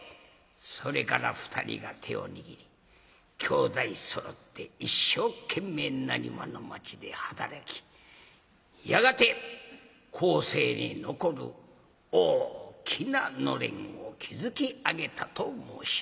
それから２人が手を握り兄弟そろって一生懸命なにわの町で働きやがて後世に残る大きな暖簾を築き上げたと申します。